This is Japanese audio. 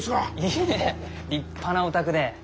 いえ立派なお宅で。